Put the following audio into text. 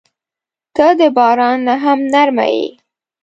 • ته د باران نه هم نرمه یې.